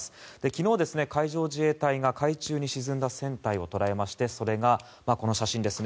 昨日、海上自衛隊が海中に沈んだ船体を捉えましてそれがこの写真です。